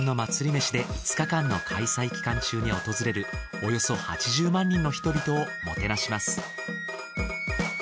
めしで５日間の開催期間中に訪れるおよそ８０万人の人々をもてなします。